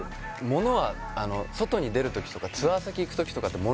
物はあの外に出るときとかツアー先行くときとかって物